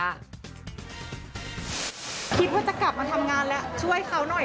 คิดว่าจะกลับมาทำงานแล้วช่วยเขาหน่อย